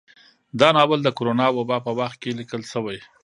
دا ناول د کرونا وبا په وخت کې ليکل شوى